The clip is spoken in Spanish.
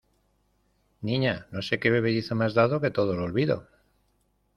niña, no sé qué bebedizo me has dado que todo lo olvido...